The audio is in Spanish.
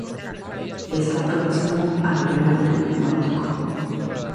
Está próximo al Real Club Náutico.